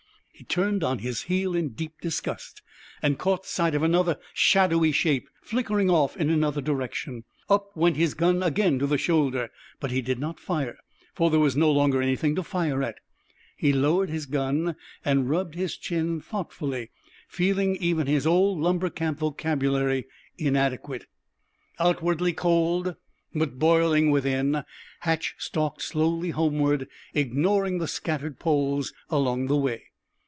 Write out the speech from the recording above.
He turned on his heel in deep disgust, and caught sight of another shadowy shape flickering off in another direction. Up went his gun again to the shoulder. But he did not fire, for there was no longer anything to fire at. He lowered his gun and rubbed his chin thoughtfully, feeling even his old lumber camp vocabulary inadequate. Outwardly cold, but boiling within, Hatch stalked slowly homeward, ignoring the scattered poles along the way.